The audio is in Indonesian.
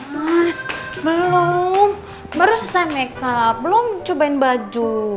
mas belum baru selesai makeup belum cobain baju